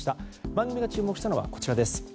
番組が注目したのはこちらです。